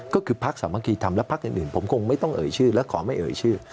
ก็คือพักสามัคคีธรรมและพักอื่นผมคงไม่ต้องเอ่ยชื่อและขอไม่เอ่ยชื่อ